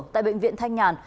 tại bệnh viện thanh nhàn